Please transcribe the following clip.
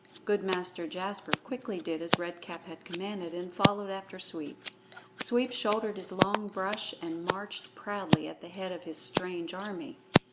Good Master Jasper quickly did as Red Cap had commanded and followed after Sweep. Sweep shouldered his long brush and marched proudly at the head of his strange army.